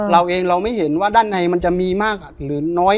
เราเองเราไม่เห็นว่าด้านในมันจะมีมากหรือน้อย